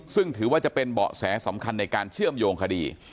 ซึ่งถือว่าจะเป็นเบาะแสสำคัญในการเชื่อมโยงคดี